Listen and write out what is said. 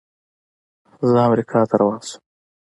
زه امریکا ته روان شوم.